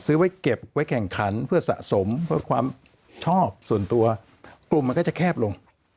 ไว้เก็บไว้แข่งขันเพื่อสะสมเพื่อความชอบส่วนตัวกลุ่มมันก็จะแคบลง